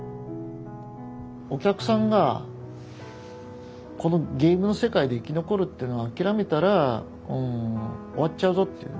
お客さんがこのゲームの世界で生き残るっていうのを諦めたらうん終わっちゃうぞっていう。